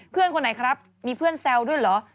เพื่อนคนไหนครับมีเพื่อนแซวด้วยเหรอ